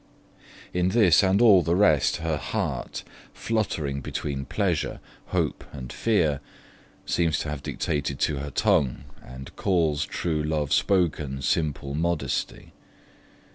In this and all the rest her heart, fluttering between pleasure, hope, and fear, seems to have dictated to her tongue, and 'calls true love spoken simple modesty'.